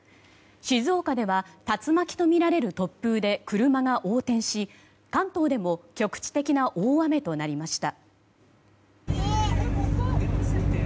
静岡では竜巻とみられる突風で車が横転し、関東でも局地的な大雨となりました。